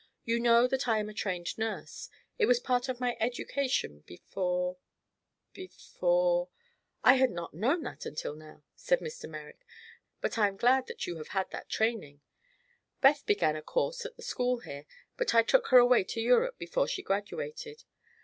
"You know that I am a trained nurse; it was part of my education before before " "I had not known that until now," said Mr. Merrick, "but I am glad you have had that training. Beth began a course at the school here, but I took her away to Europe before she graduated.